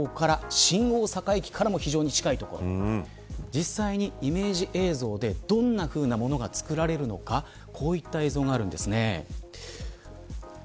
実際にイメージ映像でどんなふうなものが作られるのかこういった映像があるんですね。